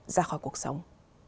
ra khỏi cuộc sống